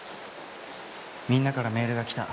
みんなからメールが来た。